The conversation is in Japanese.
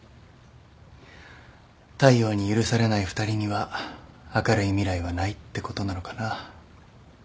太陽に許されない２人には明るい未来はないってことなのかな。